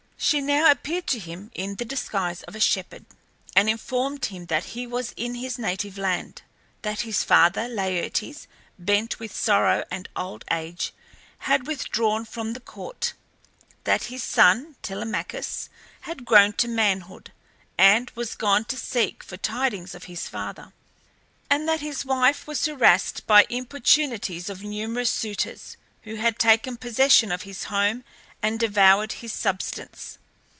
She now appeared to him in the disguise of a shepherd, and informed him that he was in his native land; that his father Laertes, bent with sorrow and old age, had withdrawn from the court; that his son Telemachus had grown to manhood, and was gone to seek for tidings of his father; and that his wife Penelope was harassed by the importunities of numerous suitors, who had taken possession of his home and devoured his substance.